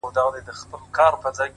سیاه پوسي ده _ خاوري مي ژوند سه _